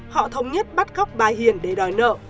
họ thống nhất bắt cóc bà hiền để đòi nợ